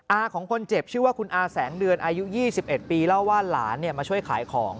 อาของคนเจ็บชื่อว่าคุณอาแสงเดือนอายุ๒๑ปีเล่าว่าหลานมาช่วยขายของ